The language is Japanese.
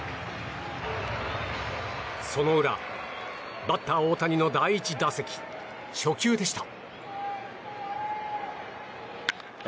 その裏、バッター大谷の第１打席初球でした。